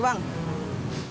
saya narik dulu ya